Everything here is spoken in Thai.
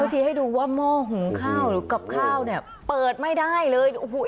ชี้ให้ดูว่าหม้อหุงข้าวหรือกับข้าวเนี่ยเปิดไม่ได้เลยโอ้โห